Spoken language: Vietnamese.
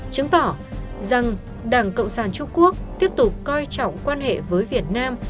chứng tỏ rằng đảng cộng sản trung quốc tiếp tục coi trọng quan hệ với việt nam